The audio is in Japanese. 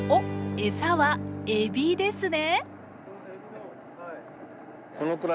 エサはエビですね。